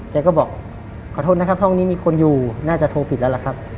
แกก็บอกขอโทษนะครับห้องนี้มีคนอยู่น่าจะโทรผิดแล้วล่ะครับ